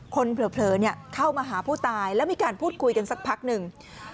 เผลอเข้ามาหาผู้ตายแล้วมีการพูดคุยกันสักพักหนึ่ง